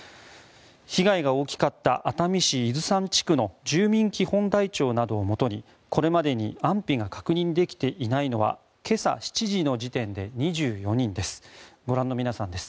被害が大きかった熱海市伊豆山地区の住民基本台帳などをもとにこれまで安否が確認できていないのは今朝７時の時点で２４人です。